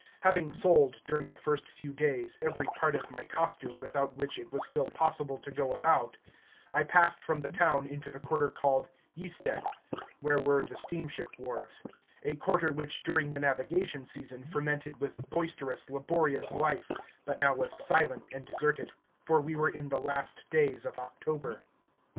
Having sold during the first few days every part of my costume without which it was still possible to go about, I passed from the town into the quarter called "Yste," where were the steamship wharves a quarter which during the navigation season fermented with boisterous, laborious life, but now was silent and deserted, for we were in the last days of October.